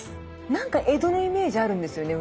何か江戸のイメージあるんですよね